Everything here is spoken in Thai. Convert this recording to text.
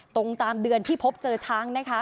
ตรงตามเดือนที่พบเจอช้างนะคะ